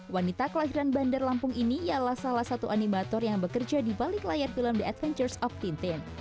wanita kelahiran bandar lampung ini ialah salah satu animator yang bekerja di balik layar film the adventures of tintin